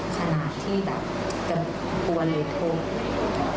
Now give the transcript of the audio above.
ขนาดที่แบบกับกวนเลยแบบตก